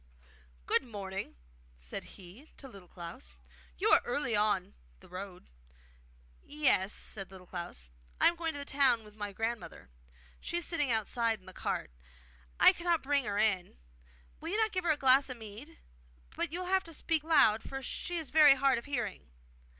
'Good morning!' said he to Little Klaus. 'You are early on the road.' 'Yes,' said Little Klaus. 'I am going to the town with my grandmother. She is sitting outside in the cart; I cannot bring her in. Will you not give her a glass of mead? But you will have to speak loud, for she is very hard of hearing.